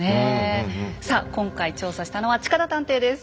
さあ今回調査したのは近田探偵です。